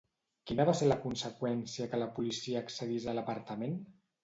Quina va ser la conseqüència que la policia accedís a l'apartament?